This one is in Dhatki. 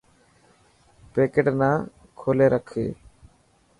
پيڪٽ نا ڪولي رکي.